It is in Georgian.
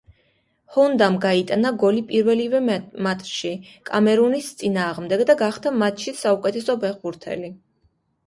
ჰონდამ გაიტანა გოლი პირველივე მატჩში კამერუნის წინააღმდეგ და გახდა მატჩის საუკეთესო ფეხბურთელი.